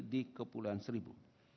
di kepulauan seribu